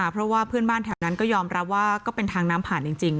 เพราะว่าเพื่อนบ้านแถวนั้นก็ยอมรับว่าก็เป็นทางน้ำผ่านจริง